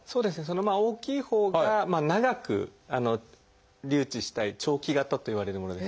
大きいほうが長く留置したい長期型といわれるものです。